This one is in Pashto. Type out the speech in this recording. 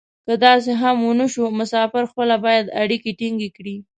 که داسې هم و نه شو مسافر خپله باید اړیکې ټینګې کړي.